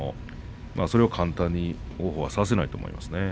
それは簡単に王鵬はさせないと思います。